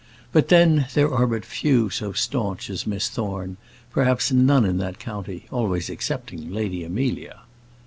But then, there are but few so stanch as Miss Thorne; perhaps none in that county always excepting Lady Amelia.